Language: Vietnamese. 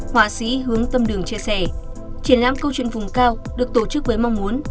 họa sĩ hướng tâm đường chia sẻ triển lãm câu chuyện vùng cao được tổ chức với mong muốn